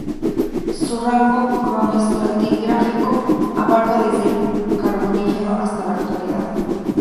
Su rango cronoestratigráfico abarca desde el Carbonífero hasta la actualidad.